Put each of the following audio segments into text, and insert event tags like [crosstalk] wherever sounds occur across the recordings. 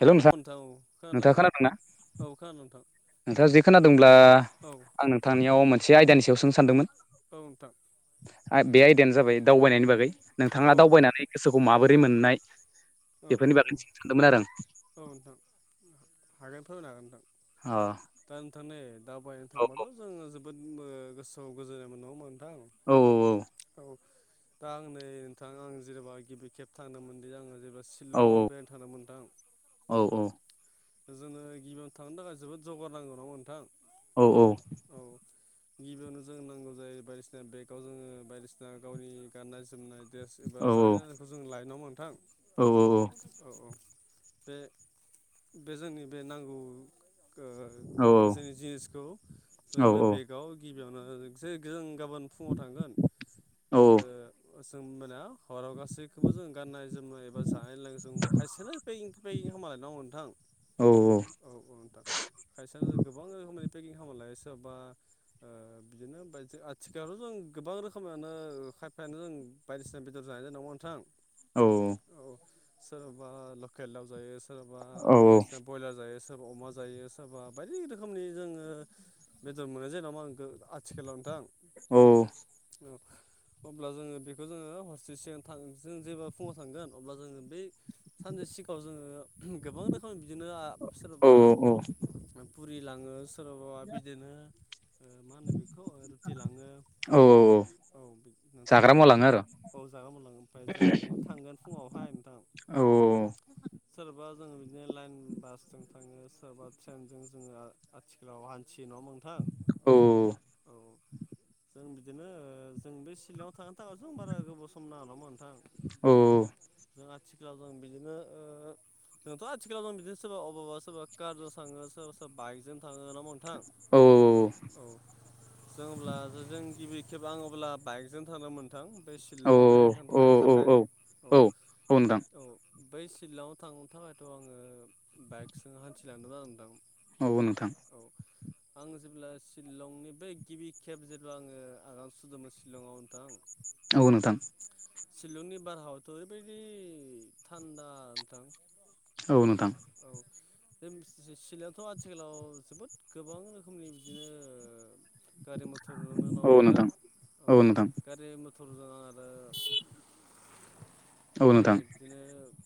हेल' नोंथां औ खोनादों नोंथाङा नोंथां खोनादोंना? औ खोनादों नोंथाङा जुदि खोनादोंब्ला नोंथां औ आं नोंथांनियाव मोनसे आयदानि सायाव सोंनो सानदोंमोन। औ नोंथां बे आयदायानो जाबाय दावबायनायनि बागै नोंथाङा औ दावबायनानै गोसोखौ माबोरै मोननाय औ बेफोरनि बागै औ सोंनो सानदोंमोन आरो आं। औ नोंथां हागोन फोरमायनो हागोन नोंथां आं दा नोंथां नै दावबायनो थांबाथ' जोङो जोबोद ओ गोसोआव गोजोननाय मोनो नङा होनबा नों अ औ थां औ। दा आं नै नोंथां आं जेनेबा गिबि खेब थांदों मोनदि आङो जेनेबा औ शिलंआव आं बेरायनो थांदोंमोन नोंथां। औ औ। जोङो गिबियाव थांनो थाखाय जोबोद जगारनांगौ नंङा होनबा नोंथां? औ औ। औ। गिबियावनो जों नांगौ जायो बायदिसिना बेगाव जोङो बायदिसिना गावनि गाननाय जोमनाय देस एबा औ जानाय लोंनायखौ जों लाइनांगौ नोंथां। औ औ औ। औ औ। बे बे जोंनि बे नांगौ। औ औ बिसोरनि जिनिसखौ औ जों बे बेगाव गिबियावनो गाबोन फुङाव थांगोन जों होनबाना हराव गासैखौबो जों गाननाय जोमनाय एबा जानाय लोंङ जों खायसेल बे हालायनांग नोंथां औ औ नोंथां खायसेयानो गोबां रोखोम मानि पेकिं खालाम लायो सोरबा बिदिनो आथिखालावथ' जों गोबां रोखोमानो खायफायानो जों बायदिसिना बेदर जानाय नङा नोंथां औ औ सोराबा लकेल दाउ जायो सोराबा बायदिना ब्रयलार जायो सोरबा अमा जायो सोरबा बायदि रोखोमनि जोङो बेदर मोननाय जै नामा आं आथिखालाव नोंथां औ आरो अब्ला जोङो बेखौ जोङो हरसे सिगां जों जेब्ला फुङाव थांगोन अब्ला जोङो बै सानसे सिगाङाव जोङो गोबां रोखोम बिदिनो औ सोरबा पुरि लाङो सोरबाबा बिदिनो मा होनो बेखौ रुटि लाङो औ नोंथां जाग्रा मुवा ओमफ्राय लाङो जोङो आरो औ जागा मोनलां ओमफ्राय जोङो ओरै थांगोन फुावहाय नोंथां औ सोरबा जोङो बिदिनो लाइन बासजों थाङो सोरबाबा ट्रेनजों जोङो आथिखालाव हान्थियो नङा मोनथां। औ औ जों बिदिनो जों बे सिलआव थांनो थाखाय जों बारा गोबाव सम नाङा नङाहोमबा नोंथां औ जों आथिखालाव जों बिदिनो। ओ जोंथ' आथिखालाव जों बिदिनो सोरबा अबबा सोरबा कारजों थाङो सोरबा सोरबा बाइकजों थाङो होना बुं नोंथां औ औ जों अब्ला जों गिबि खेब आं अब्ला बाइकजों थांदों मोन थां बे औ सिलंआव बेरायनो थांनो थाखाय औ थाखाय औ औ औ बै सिलङाव थांनो थाखायथ' आङो बाइकजों हान्थिलांदों आं नोंथां। औ नोंथां। औ आं जेब्ला शिलंनि बै गिबि खेब जेब्ला आङो आगान सुरदोंमोन शिलंआव नोंथां। औ नोंथां। शिलंनि बारहावायाथ' ओरैबायदि थान्दा नोंथां। औ नोंथां। औ ज सिलायावथ' आथिखालाव जोबोद गोबां रोखोमनि बिदिनो। गारि मथर नुनोन न औ नथां नोंथां औ गारि मथरजों आं आरो औ नोंथां नायनानै बिदिनो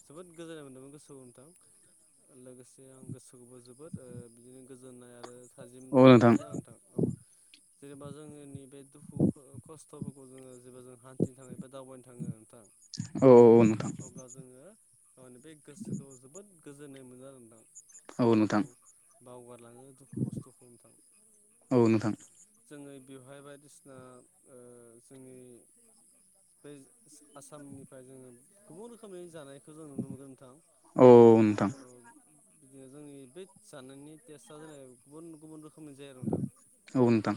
जोबोद गोजोननाय मोन्दोंमोन गोसोआव नोंथां। लोगोसे आं गोसोखौबो जोबोद बिदिनो गोजोननाय आरो हाजिम मोनदोंना नोंथां औ जेनेबा जोङो नि बे दुखु खस्थ'फोरखौ जोङो जेबा जों हान्थिनो थाङो ए बा दावबायनो थाङो नोंथां। औ औ नोंथां। अब्ला जोङो गावनि बे गोसोखौ जोबोद गोजोननाय मोनो आरो नोथां औ बावगारलाङो दुखु खस्थ'खौ नोंथां औ नोंथां औ नोंथां जोङो बेवहाय बायदिसिना जोंनि। बे आसामनिफ्राय जोङो गोबां रोखोमनि जानायखौ जों नुनो मोनगोन नोंथां। औ नोंथां। औ बिदिनो जोंनि बे जानायनि टेस्टआ जोंना गुबुन गुबुन रोखोमनि जायो आरो नोंथां। औ। ओ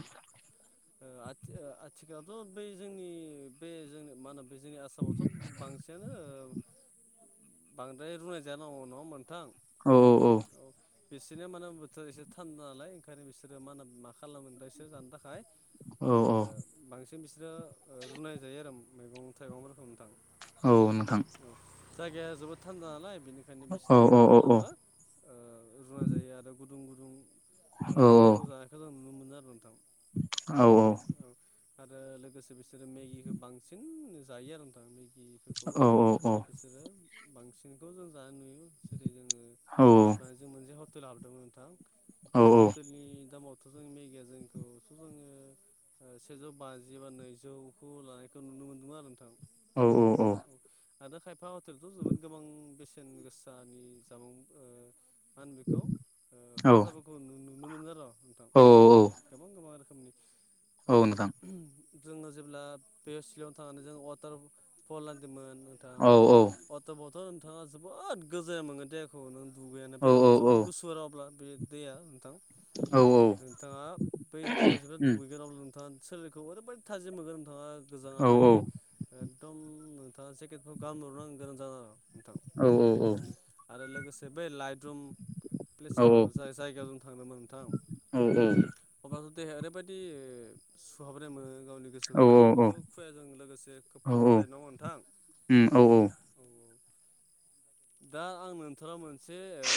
आथि ओ आथिखालावथ' बै जोंनि बे जों मा होना बे जोंनि आसामावथ' बांसिनानो ओ बांद्राय रुनाय जायान' नंङा होमबा नोंथां? औ औ औ। औ। बिसोरनिया मा होनो बोथोरा एसे थान्दा नालाय ओंखायनो बिसोरो मा होना मा खालामो नोंथां बिसोर जानो थाखाय औ ओ बांसिन बिसोरो ओ रुनाय जायो आरो उम मैगं थाइगंफोरखौ नोंथां। औ नोंथां। [unintelligible] जायगाया जोबोद थान्दा नालाय बेनिखायनो औ बिसोरो मा औ औ खालामो ओ रुनाय जायो आरो गुदुं गुदुं औ ओंखामफोरखौ जानायखौ जों नुनो मोनो आरो नोंथां। औ औ। औ आरो लोगोसे बिसोरो मेगिखौ बांसिन जायो आरो नोंथां मेगिफोरखौ। औ नोंथां औ उम औ बिसोरो बांसिनखौ जों जा नुयो जेरै जोङो हाबना जों मोनसे हटेल लाबोदोंमोन नोंथां बे हटेलनि दामाव थ' जों मेगिया जोंखौथ' जोङो ओ सेजौ बाजि बा नैजौखौ लानायखौ नुनो मोनगोमोन आरो नोंथां। औ औ औ। आरो खायफा हटेलथ' जोबोद गोबां बेसेन गोसानि जामुं ओ मा होनो बेखौ ओ खाजाफोरखौ नु-नुनो मोनो र' नोंथां गोबां गोबां रो खोमनि ओ [unintelligible] जोङो जेब्ला बे सिलं थांनानै जों वाटार फल नायदोंमोन नोंथां। अवाटा बथ' नोंथाङा जोबोद गोजोन मोनगोन दे। खौ नों दुगैयानो बे जोबोद गुसु आरो अब्ला बे दैया नोंथां। औ औ। नोंथाङा बै दैयाव जोबोद दुगैगोन अब्ला नोंथाङा सोलेरखौ ओरैबायदि थाजिम मोनगोन नोंथाङा गोजांनानै औ एकदम नोंथाङा जेकेटखौ गानब्रबनांगौ गोनां जागोन आरो। नोंथां आरो लोगोसे बे लाइट रुम प्लेसाव जाय जायगायाव जों थांदोंमोन नोंथां। अब्लाथ' देहाया ओरैबायदि सुहाबनाय मोनो गावनि गोसोखौ लाइतलुमावथ' खुवाजों लोगोसे खोबफबना थायो नंङा होनबा नोंथां? उम औ औ। औ औ दा आं नोंथांनाव मोनसे ओ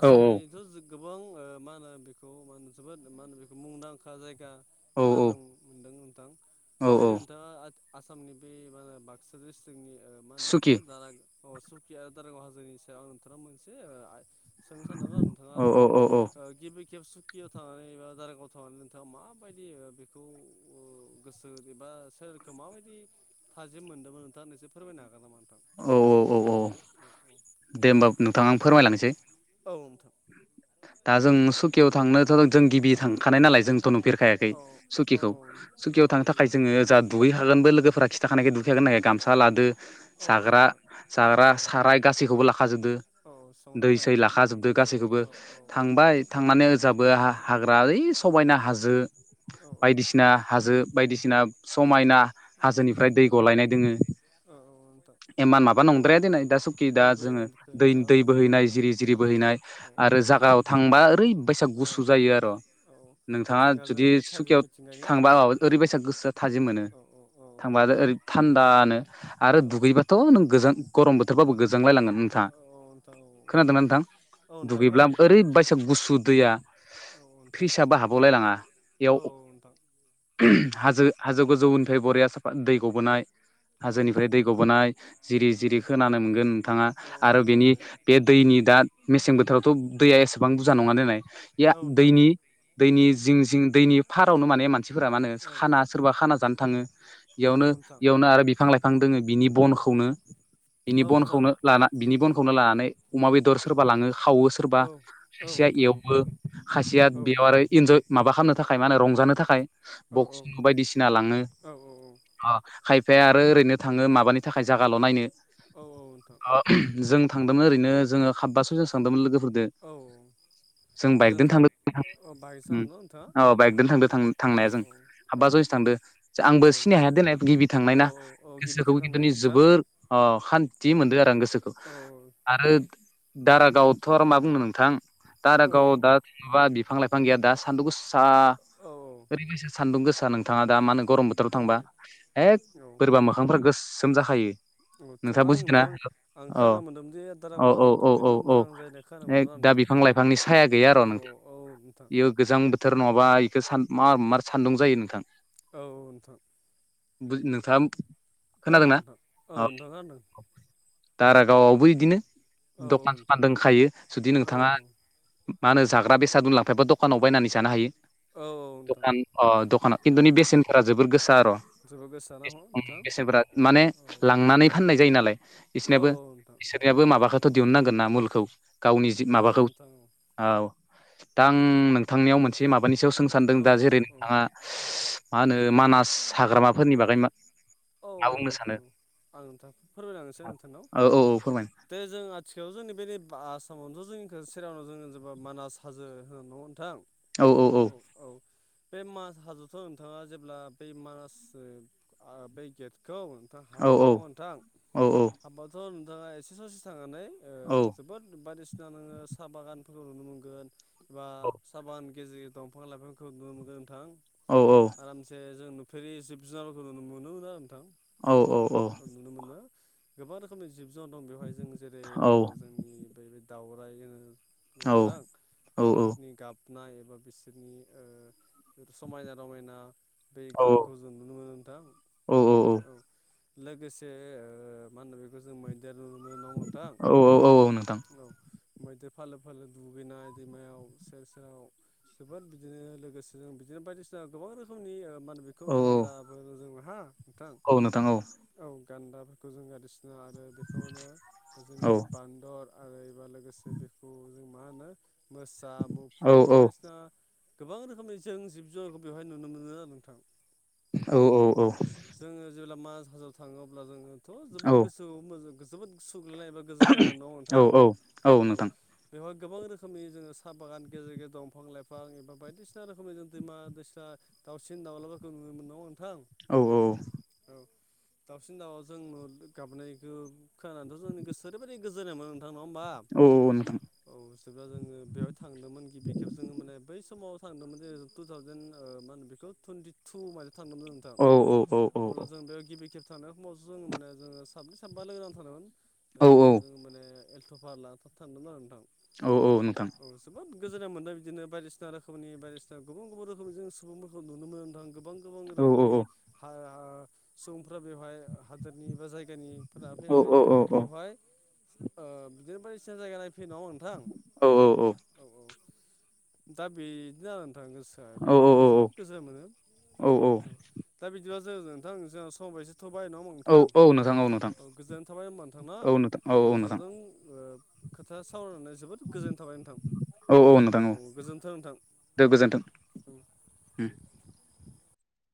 आसामनिथ' जों गोबां ओ मा होनो बेखौ मा होनो जोबोद मा होनो बेखौ मुंदांखा जायगा खोनादों। मोनदों नोंथां औ बे औ नोंथाङा आथ आसामनि बे मा होनो बाक्सा डिस्थ्र जोंनि ओ मा होनो बेखौ सुखि दारा अ सुकिआ दारागाव हाजोनि सायाव नोंथाङा मोनसे ओ आ सोंनो सानदोंमोन आरो नोंथाङा औ औ ओ गिबि खेब सु कियाव थांनानै एबा दारागाव थांनानै नोंथाङा माबायदि ओ बेखौ ओ गोसो एबा सोर खो माबायदि एसे मोनदोंमोन नोंथां नोंसोर फोरमायनो हागोन नामा नोंथां? औ औ औ औ। दे होमबा नोंथां आं फोरमायलांनोसै। औ नोंथां। दा जों सुकियाव थांनोथ' जों गिबि औ थांखानाय नालाय जोंथ' नुफेरखायाखै औ सुकिखौ। औ सुखियाव औ थांनो थाखाय जोङो जा दुगैखागोनबो लोगोफोरा खिथाखानायखाय दुगैखागोन होननायखाय गामसा लादो जाग्रा नोंथां जाग्रा औ साराय गासैखौबो लाखाजोबदो औ संनो दै थाखाय सै नोंथां लाखाजोबदो गासैखौबो। औ थांबाय थांनानै ओजाबो औ हा-हाग्रा ओइ समायना हाजो। औ औ नोंथां बायदिसिना हाजो बायदिसिना समायना औ हाजोनिफ्राय मिथिं दै गलायनाय दोङो। औ औ नोंथां एमान माबा दै नंद्राया दिनै दा सुकि दा दै जोङो बोहैनायखौ दै नोंथाङा दै नुनो मोनदों बोहैनाय आरोना जिरि जिरि बोहैनाय औ आरो जों जायगायाव थांबा ओरैबायसा औ गुसु जायो आरो औ नोंथाङा मिथिंगाजों जुदि बे थाजिम सुकियाव मिथिंगानि थांबा ओरैबायसा गोसोआ थाजिम मोनो औ औ थांबा औ ओरै नोंथां थान्दानो आरो औ दुगैबाथ' नों गोजां गरम बोथोरबाबो गोजांलायलांगोन नोंथाङा औ औ नोंथां खोनादोंना औ नोंथां औ नोंथां दुगैब्ला खोनादों ओरै बाइसा गुसु दैया औ नोंथां फ्रिसाबो हाबावलाय लाङा बेयाव औ हाजो हाजो गोजौनिफ्राय बरिया साफा दै गबोनाय हाजोनिफ्राय दै औ गबोनाय जिरि नोंथां औ जिरि खोनानो मोनगोन नोंथाङा औ आरो बेनि बे दैनि दा मेसें बोथोरावथ' दैया एसेबां बुरजा नङा नालाय बे नोंथां दैनि दैनि जिं जिं दैनि फारावनो माने मानसिफोरा मा होनो औ नोंथां औ खाना सोरबा खाना जानो थाङो औ बेयावनो नोंथां बेयावनो आरो बिफां लाइफां दोङो बिनि बनखौनो बिनि औ नोंथां बनखौनो लाना बिनि बनखौनो लानानै अमा बेदर सोरबा लाङो खावो सोरबा औ औ खाासेया नोंथां एवो खाासेया औ बेव आरो इन्जय माबा खालामनो थाखाय मा होनो रंजानो थाखाय औ बक्स बायदिसिना लाङो औ अ खायफाया आरो ओरैनो थाङो माबानि थाखाय जागाल' नायनो औ नोंथां जों थांदोंमोन ओरैनो जोङो हाबबासो जों थांदोंमोन लोगोफोरजों औ जों दा बाइकजों थांद नोंथाङा बाइकसो थांदों न' नोंथाङा औ बाइकजों थांद औ थांनाया जों औ हाबा जयसो थांदो आंबो औ सिनाय हाया दोननाय गिबि थांनाय औ ना औ गिबि गोसोखौबो खेब थांनाय खिन्थु नोंथाङा जोबोर सान्थि औ मोन्दों आरो आं गोसो औ औ आरो दारागावआवथ' आरो मा बुंनो नोंथां दारागावआव दा माबा बिफां लाइफां गैया दा सान्दुं गोसा औ ओरैबायसा सान्दुं गोसा नों थाङा दा मा होनो गरम बोथोराव थांबा एक औ बोरैबा मोखांफ्रा गोसोम जाखायो अ थेव नोंथाङा आं बुजिदों ना नोंथां आं औ खोनानो मोन्दों जे औ दारागाव औ हाजो औ औ दुगैनोल' औ मोजां जायो खोनानो ए मोन्दोंमोन दा बिफां लाइफांनि साया गैया आरो' आं नोंथां औ औ नोंथां बेयो गोजां बोथोर नङाबा बेखौ मा मार सान्दुं जायो नोंथां औ नोंथां नोंथाङा खोनादों खोनादोंना नोंथां औ नोंथां दारागावआवबो बिदिनो औ औ फान दखायो जुदि नोंथाङा मा होनो जाग्रा बेसाद दलांफायोबा दखानाव बायनानै जानो हायो औ औ नोंथां दखान अ दखानाव औ खिन्थुनि बेसेनफोरा जोबोर गोसा आरो जोबोद गोसा ना नोंथां बेसेनफोरा माने औ लांनानै फाननाय जायो नालाय औ बिसोरनिया औ नोंथां बोसोर याबो औ माबाखौथ' दिहुननांगोन ना मुलखौ गावनि जि औ औ माबाखौ नोंथां औ दा आं नोंथांनियाव मोनसे माबानि सायाव सों सान्दों औ नोंथां औ दा जेरै नोंथाङा नोंथां औ मा होनो मानास हाग्रामाफोरनि बागै म औ औ नोंथां आं नोंथां फोरमायलांनोसै नोंथांनाव औ औ औ फोरमायनो दे जों आथिखालाव जोंनि बे आसामावनोथ' जोंनिखौ सेरावनाव जोंङो जेबा मानास हाजो होनो नङ नोंथां औ औ औ औ बे मास हाजोथ' नोंथाङा जेब्ला बे मास बे गेटखौ नोंथां औ हाबगोन औ नङा नोंथां औ हाबाथ' नोंथाङा एसे ससे थांनानै औ जोबोद बाय बिसिना नोङो साहा बागानफोरखौ नुनो मोनगोन एबा साहा बागान गेजेर दंफां लाइफांखौ नुनो मोनगोन नोंथां औ औ आरामसे जों नुफेरि जिब जुनारफोरखौ नुनो मोनोमोन आरो नोंथां औ नुनो मोनो गोबां रोखोमनि जिब जुनार दं बेवहाय जों जेरै ओ जों नि बै दाउराय जो न'थां दाउरायफोरनि गाब बनाय एबा बिसोरनि समायना रमायना बे गांखौ ज जों नुनो नोंथां औ लोगोसे ओ मा होनो बे खौ जों मैदेर नुनो मोनो नोंथां औ औ नोंथां औ मैदेर फालो फालो दुगैनाय दैमायाव सेर सेराव जोबोद बिदिनो लोगोसे जों बिदिनो बायदिसिना गोबां रोखोमनि ओ मा होनो बेखौ खौ औ गान्दाबो होनो जों हा नोंथां औ नोंथां औ गान्दाफोरखौ जों [unintelligible] ओ बेखौ मा होनो जोंनि औ बे बान्दर आरो एबा लोगोसे बेखौ जों मा होनो मोसा औ मुफुर औ बायदिसिना गोबां रोखोमनि जों जिब जुनारखौ बेवहाय नुनो मोनो आरो नोंथां औ औ औ जोङो जेब्ला मान हाजोआव थाङो अब्ला जोङोथ' औ जोबोद गोसोआवो जोबोद सुग्लैनाय एबा गोजोननाय मोनोन नोंथां औ बेवहाय गोबां रोखोमनि जोङो साहा बागान गेजेर गेजेर दंफां लाइफां एबा बायदिसिना रोखोमनि जों दैमा दैसा दाावसिन दावलाफोरखौ नुनो मोननांगौ नोंथां औ औ औ दावसिन दाउलाजों गाबनायखौ खोनानानैथ' जोंनि गोसोआ ओरैबायदि गोजोननाय मोनो नोंथां नङा ओमबा औ औ औ नोंथां औ जेब्ला जोङो बेवहाय थांदोंमोन गिबि खेब जोङो माने बै समाव थांदोंमोन जे टु थावजेेन ओ मा होनो बेखौ टुनटि टु मादे थांदोंमोन नोंथां औ औ अब्ला जों बेयाव गिबि खेब थांनाय समावसो जों माने जोङो साब्रै साब्बासो लोगोनांना थांदोंमोन ओ औ औ औ जों माने एलट' भारा लाना था थांदोंमोन आरो नोंथां औ औ नोंथां औ जोबोद गोजोननाय मोनदों बिदिनो बायदिसिना रोखोमनि बायदिसिना गुबुन गुबुन रोखोमनि जों सुबुंफोरखौ नुनो मोनदों नोंथां गोबां गोबां औ औ रोखोमनि हा हा -सुबुंफ्रा बेवहाय हादोरनि बा जायगा [unintelligible] निफोरा फैनानै औ बेवहाय ओ बिदिनो बायदिसिना जायगा नाय फै नङा ओमबा नोंथां औ औ दा बेनो आरो नोंथां गोसो ओ औ औ बिदिनो जोबोद गोजोननाय मोनो दा बिदिबा जों नोंथां जोंहा समाबो जोबथ'बाय नङा होम औ औ नोंथां औ नोंथां औ गोजोननाय थाबाय ओमबा नोंथां न औ नोंथां औ औ नोंथां नोंथांजों ओ खोथा सावरायनानै जोबोद गोजोननाय थाबाय नोंथां औ गोजोन्थों दे गोजोन्थों। नोंथां